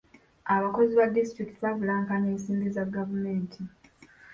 Abakozi ba disitulikiti babulankanya ensimbi za gavumenti.